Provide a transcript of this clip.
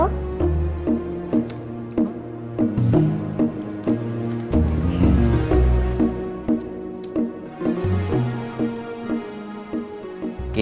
gak sama sekali